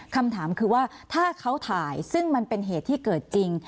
คำถามคือว่าถ้าเขาถ่ายซึ่งมันเป็นเหตุที่เกิดจริง